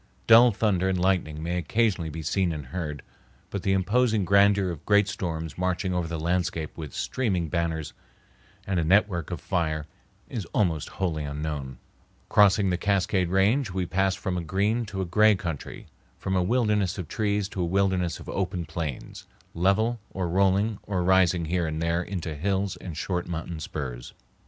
Dull thunder and lightning may occasionally be seen and heard, but the imposing grandeur of great storms marching over the landscape with streaming banners and a network of fire is almost wholly unknown. Crossing the Cascade Range, we pass from a green to a gray country, from a wilderness of trees to a wilderness of open plains, level or rolling or rising here and there into hills and short mountain spurs.